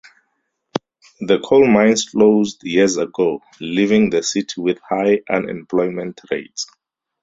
The coal mines closed years ago, leaving the city with high unemployment rates.